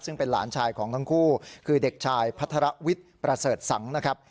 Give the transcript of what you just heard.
ซึ่งเป็นหลานชายของทั้งคู่คือเด็กชายพัทรวิทย์ประเสริฐสังนะครับ